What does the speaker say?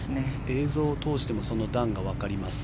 映像を通してもその段がわかります。